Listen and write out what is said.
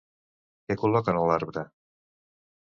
Què col·loquen a l'arbre?